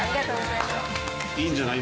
いいんじゃない？